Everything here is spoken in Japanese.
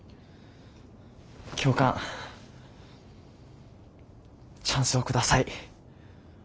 教官チャンスを下さい。